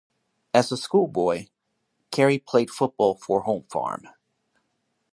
As a schoolboy, Carey played football for Home Farm.